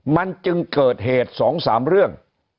มันจึงเกิดเหตุ๒๓เรื่อง